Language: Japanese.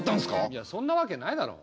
いやそんなわけないだろ。